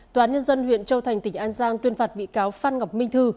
tòa án nhân dân huyện châu thành tỉnh an giang tuyên phạt bị cáo phan ngọc minh thư